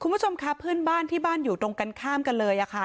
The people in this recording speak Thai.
คุณผู้ชมค่ะเพื่อนบ้านที่บ้านอยู่ตรงกันข้ามกันเลยค่ะ